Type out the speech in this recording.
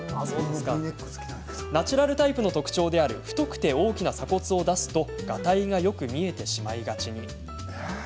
ナチュラルタイプの特徴である太くて大きな鎖骨を出すとがたいがよく見えてしまいがちに。